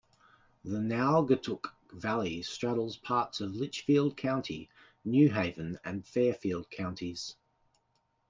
The Naugatuck Valley straddles parts of Litchfield County, New Haven, and Fairfield counties.